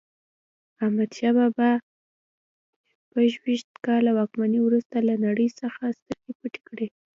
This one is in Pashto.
احمدشاه بابا له شپږویشت کاله واکمنۍ وروسته له نړۍ څخه سترګې پټې کړې.